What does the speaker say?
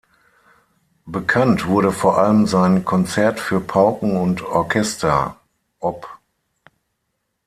Bekannt wurde vor allem sein "Konzert für Pauken und Orchester," op.